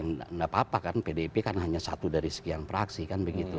tidak apa apa kan pdip kan hanya satu dari sekian fraksi kan begitu